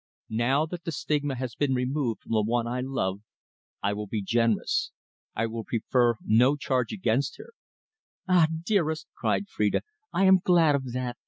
"Now that the stigma has been removed from the one I love, I will be generous. I will prefer no charge against her." "Ah! dearest," cried Phrida, "I am glad of that.